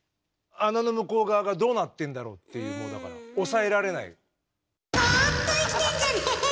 穴の向こう側がどうなってんだろうっていうもうだから抑えられない。